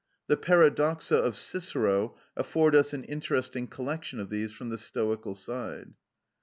The Paradoxa of Cicero afford us an interesting collection of these from the Stoical side.